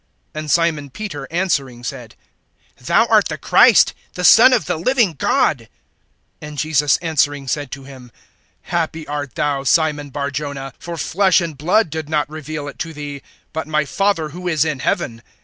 (16)And Simon Peter answering said: Thou art the Christ, the Son of the living God. (17)And Jesus answering said to him: Happy art thou, Simon Bar jonah[16:17]; for flesh and blood did not reveal it to thee, but my Father who is in heaven.